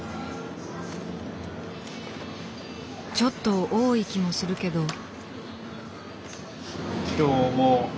ちょっと多い気もするけど。